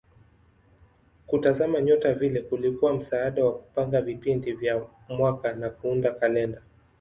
Kutazama nyota vile kulikuwa msaada wa kupanga vipindi vya mwaka na kuunda kalenda.